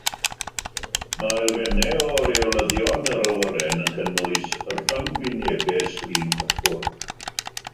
Mae elfennau o reolyddion yr awyren yn cynnwys rhyngwynebau sgrîn cyffwrdd.